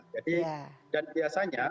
jadi dan biasanya